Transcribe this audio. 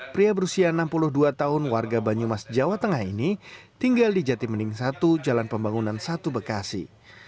pria berusia enam puluh dua tahun warga banyumas jawa tengah ini tinggal di jati mending satu jalan pembangunan satu bekasi